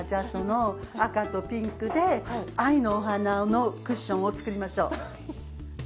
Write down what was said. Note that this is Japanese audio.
その赤とピンクで愛のお花のクッションを作りましょう。